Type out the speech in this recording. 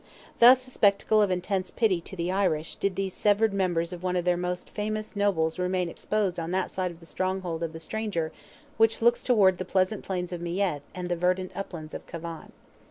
Thus, a spectacle of intense pity to the Irish, did these severed members of one of their most famous nobles remain exposed on that side of the stronghold of the stranger which looks towards the pleasant plains of Meath and the verdant uplands of Cavan.